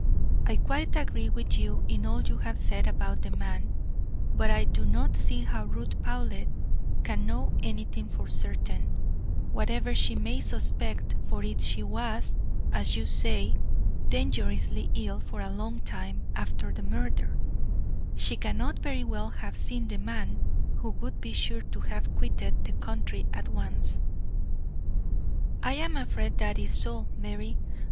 I quite agree with you in all you have said about the man, but I do not see how Ruth Powlett can know anything for certain, whatever she may suspect; for if she was, as you say, dangerously ill for a long time after the murder, she cannot very well have seen the man, who would be sure to have quitted the country at once." "I am afraid that that is so, Mary.